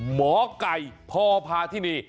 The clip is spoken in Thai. หมอไก่พอพาที่นี่